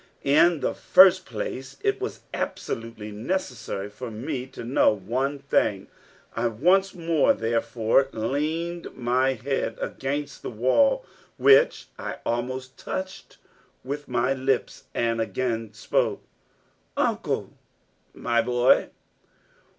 In the first place, it was absolutely necessary for me to know one thing. I once more, therefore, leaned my head against the wall, which I almost touched with my lips, and again spoke. "Uncle." .......... "My boy?"